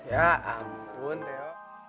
ya ampun teo